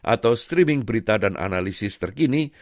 atau streaming berita dan analisis terkini